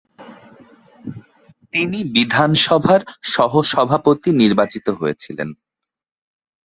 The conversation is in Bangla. তিনি বিধানসভার সহসভাপতি নির্বাচিত হয়েছিলেন।